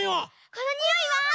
このにおいは？